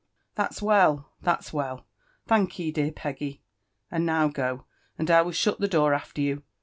•♦ That's well, that's well,— thank ^e, dear Peggy; and not* gd^ ftiMl i will shat tlie door after you.